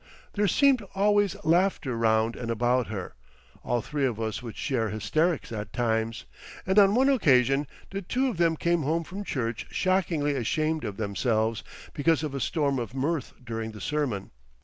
There seemed always laughter round and about her—all three of us would share hysterics at times—and on one occasion the two of them came home from church shockingly ashamed of themselves, because of a storm of mirth during the sermon.